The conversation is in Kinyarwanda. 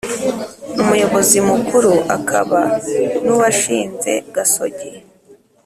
umuyobozi mukuru akaba n’uwashinze gasogi,